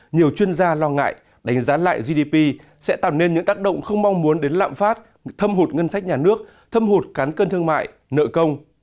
nhiều chuyên gia lo ngại đánh giá lại gdp sẽ tạo nên những tác động không mong muốn đến lạm phát thâm hụt ngân sách nhà nước thâm hụt cán cân thương mại nợ công